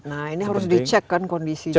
nah ini harus dicek kan kondisinya